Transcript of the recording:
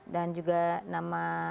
dan juga nama